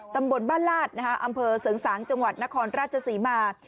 บ้านลาดนะฮะอำเพอเสียงสางจังหวัดนครราชสี่มา